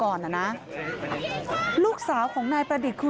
โชว์บ้านในพื้นที่เขารู้สึกยังไงกับเรื่องที่เกิดขึ้น